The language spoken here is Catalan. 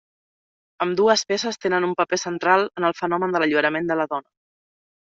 Ambdues peces tenen un paper central en el fenomen de l'alliberament de la dona.